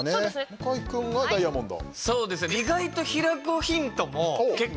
向井君はダイヤモンド。